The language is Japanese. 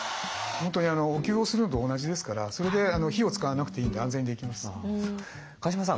本当にお灸をするのと同じですからそれで火を使わなくていいんで安全にできます。